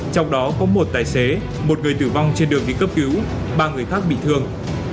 trong đó có một tài xế một người tử vong trên đường đi cấp cứu ba người khác bị thương